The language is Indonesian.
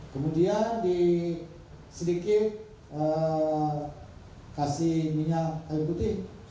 kemudian sedikit kasih minyak air putih supaya aromanya bagus